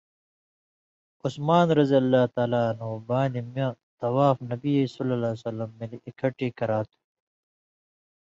عثمانؓ بانیۡ مہ طواف نبیﷺ مِلیۡ اېکٹھی کرا تُھو۔